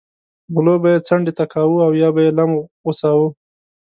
غلو به یې څنډې ته کاوه او یا به یې لم غوڅاوه.